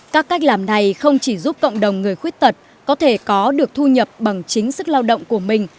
các cách làm này không chỉ giúp cộng đồng người khuyết tật có thể có được thu nhập bằng chính sức lao động của mình